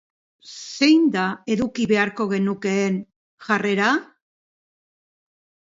Zein da eduki beharko genukeen jarrera?